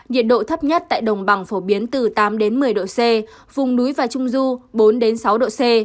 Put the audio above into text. nhiệt độ thấp nhất tại đồng bằng phổ biến từ tám đến một mươi độ c vùng núi và trung du bốn sáu độ c